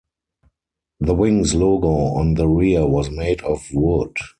The Wings logo on the rear was made of wood.